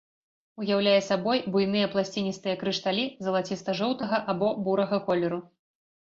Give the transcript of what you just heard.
Уяўляе сабой буйныя пласціністыя крышталі залаціста-жоўтага або бурага колеру.